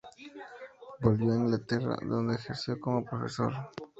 Volvería a Inglaterra, donde ejerció como profesor.